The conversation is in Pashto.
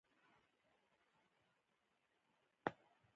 زردالو د افغان ماشومانو د زده کړې یوه ګټوره موضوع ده.